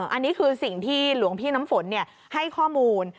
อันนี้คือสิ่งที่หลวงพี่น้ำฝนให้ข้อมูล